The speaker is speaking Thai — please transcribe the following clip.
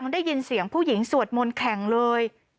ได้ยินเสียงผู้หญิงสวดมนต์แข่งเลย